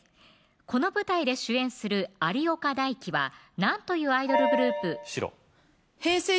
この舞台で主演する有岡大貴は何というアイドルグループ白Ｈｅｙ！